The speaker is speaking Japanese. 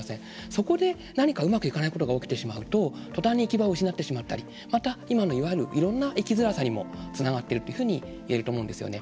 そこで何かうまくいかないことが起きてしまうととたんに行き場を失ってしまったりまた今のいわゆるいろんな生きづらさにもつながっていくというふうに言えると思うんですよね。